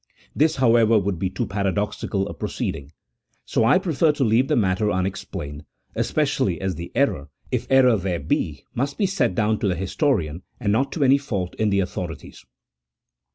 This, however, would be too paradoxical a proceeding; so I prefer to leave the matter unexplained, especially as the error, if error there be, must be set down to the historian, and not to any fault in the authorities.